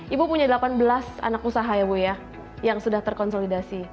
ibu punya delapan belas anak usaha ya ibu ya yang sudah terkonsolidasi